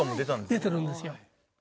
出てるんですよ